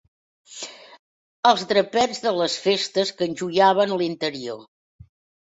Els drapets de les festes que enjoiaven l'interior